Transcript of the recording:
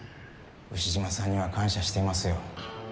丑嶋さんには感謝してますよ。